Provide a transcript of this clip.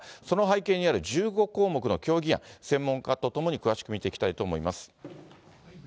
その背景にある１５項目の協議案、専門家と共に詳しく見ていきたいと思います。